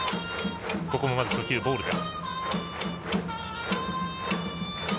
ここも初球ボールです。